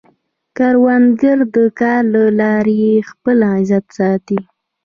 کروندګر د کار له لارې خپل عزت ساتي